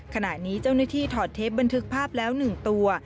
ขณะนี้เจ้าหน้าที่ถอดเทปบันทึกภาพแล้ว๑ตัว